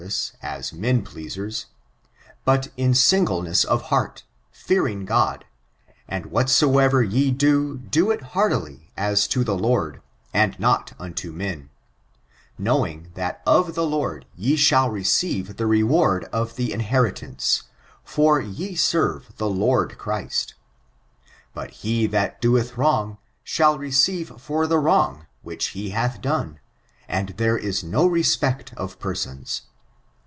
iM eye 6emce» as men pleasera ; but in ainglenefls of heart, fearing God ; and, wkataoever ye do» do it heartily, a^i to the Lord, and not unto men; knowing that of the Lord ye shall receive the reward of the inheritance; for ye serve the Lord Christ But he that doeth wrongt shall receive for the Mrrong which he hath done; and there is no respect of persons.